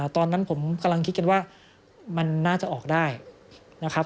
ตอนนั้นผมกำลังคิดกันว่ามันน่าจะออกได้นะครับ